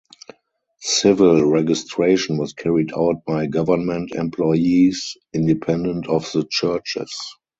Civil registration was carried out by government employees independent of the churches.